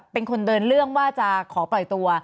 เป็นคนเดินเรื่องว่าจะขอปล่อยตัว